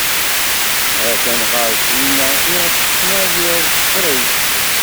Ha-t-an ɣer-k winna iɣef tettnadiḍ, ḍfer-it.